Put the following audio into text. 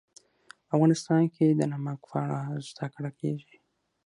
افغانستان کې د نمک په اړه زده کړه کېږي.